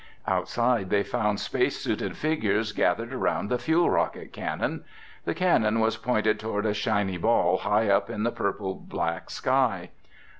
Outside they found space suited figures gathered around the fuel rocket cannon. The cannon was pointed toward a shiny ball high up in the purple black sky.